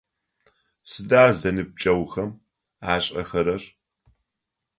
Сыда зэныбджэгъухэм ашӏэхэрэр?